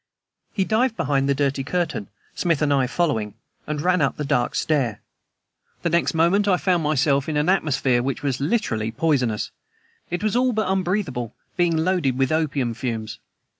He dived behind the dirty curtain, Smith and I following, and ran up a dark stair. The next moment I found myself in an atmosphere which was literally poisonous. It was all but unbreathable, being loaded with opium fumes.